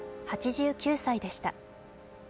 ８９歳でした。